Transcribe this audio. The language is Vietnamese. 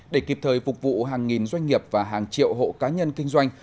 để kịp thời phục vụ hàng nghìn doanh nghiệp và hàng triệu hộ cá nhân kinh doanh